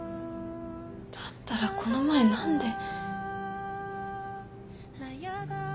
だったらこの前何で。